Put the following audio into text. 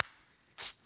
きた！